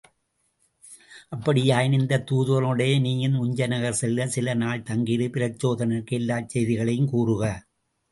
அப்படியாயின் இந்தத் தூதுவர்களுடனேயே நீயும் உஞ்சை நகர் செல்க, சில நாள் தங்கியிருந்து பிரச்சோதனனுக்கு எல்லாச் செய்திகளையும் கூறுக.